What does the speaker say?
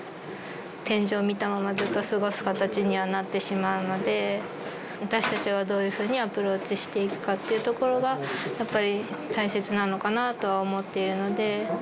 天井を見たまま、ずっと過ごす形にはなってしまうので、私たちはどういうふうにアプローチしていくかっていうところが、やっぱり大切なのかなとは思っているので。